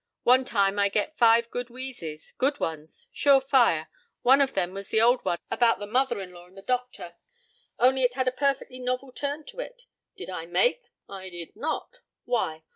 One time I get five good wheezes. Good ones! Sure fire! One of 'em was the old one about the mother 'n law and the doctor, only it had a perfectly novel turn to it. Did I make? I did not. Why?